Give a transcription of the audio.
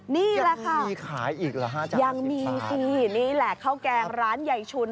นี่แหละค่ะยังมีขายอีกหรือ๕จานละ๑๐บาทนี่แหละข้าวแกงร้านใหญ่ชุน